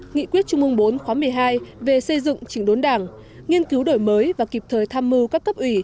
nghị quyết trung ương bốn khóa một mươi hai về xây dựng chỉnh đốn đảng nghiên cứu đổi mới và kịp thời tham mưu các cấp ủy